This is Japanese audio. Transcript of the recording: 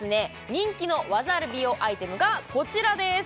人気の技あり美容アイテムがこちらです